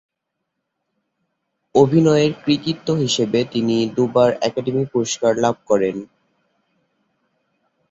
অভিনয়ের কৃতিত্ব হিসেবে তিনি দুবার একাডেমি পুরস্কার লাভ করেন।